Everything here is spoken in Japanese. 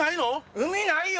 海ないよ！